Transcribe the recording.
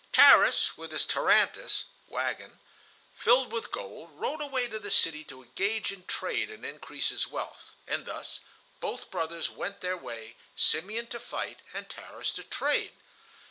Tarras, with his tarantas (wagon) filled with gold, rode away to the city to engage in trade and increase his wealth; and thus both brothers went their way, Simeon to fight and Tarras to trade.